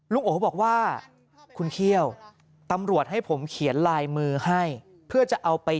โอบอกว่าคุณเขี้ยวตำรวจให้ผมเขียนลายมือให้เพื่อจะเอาไป